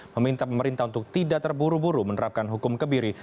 meminta pemerintah untuk tidak terburu buru menerapkan hukum kebiri